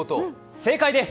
正解です！